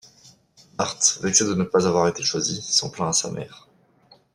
Bart, vexé de ne pas avoir été choisi, s'en plaint à sa mère.